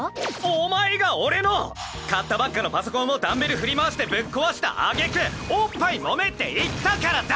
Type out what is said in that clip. お前が俺の買ったばっかのパソコンをダンベル振り回してぶっ壊した挙句おっぱいもめって言ったからだ！